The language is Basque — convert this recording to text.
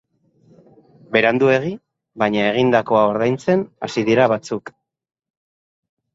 Beranduegi, baina egindakoa ordaintzen hasi dira batzuk.